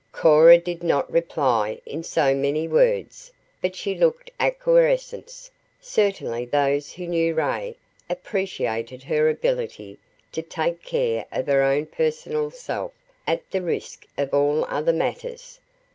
Cora did not reply in so many words, but she looked acquiescence. Certainly those who knew Ray appreciated her ability to take care of her own personal self at the risk of all other matters.